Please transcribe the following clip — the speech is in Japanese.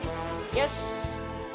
よし。